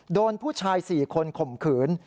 โดนผู้ชาย๔คนข่มขืน